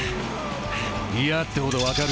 嫌ってほどわかるさ。